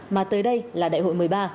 mà tới đây là đại hội một mươi ba